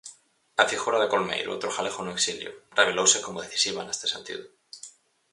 A figura de Colmeiro, outro galego no exilio, revelouse como decisiva neste sentido.